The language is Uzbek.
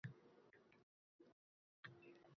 Oybekning she’rlari bamisli nigoh